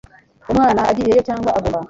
umwana agiyemo cyangwa agomba